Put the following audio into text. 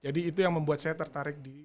jadi itu yang membuat saya tertarik di olahraga